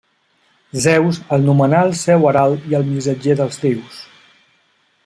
Zeus el nomenà el seu herald i el missatger dels déus.